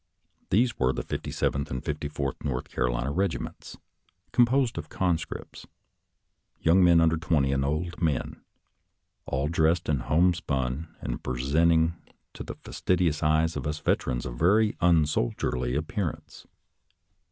These were the Fifty seventh and Fifty fourth North Carolina regiments, composed of conscripts — young men under twenty and old men — all dressed in homespun, and presenting to the fas tidious eyes of us veterans a very unsoldierly appearance.